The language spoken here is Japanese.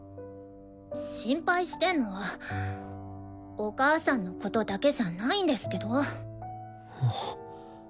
心配してんのはお母さんのことだけじゃないんですけど？